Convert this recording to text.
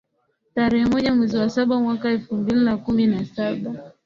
tarehe moja mwezi wa saba mwaka elfu mbili na kumi na saba